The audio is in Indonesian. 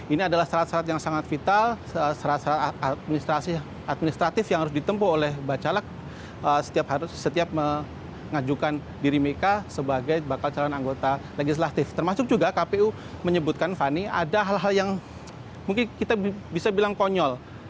ini adalah syarat syarat yang sangat vital